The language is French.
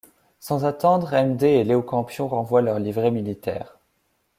Sans attendre, Hem Day et Léo Campion renvoient leurs livrets militaires.